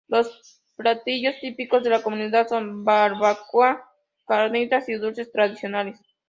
Los platillos típicos de la comunidad son:Barbacoa, Carnitas y dulces tradicionales.